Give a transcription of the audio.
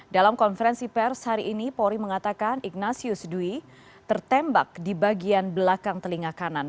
dalam konferensi pers hari ini polri mengatakan ignatius dwi tertembak di bagian belakang telinga kanan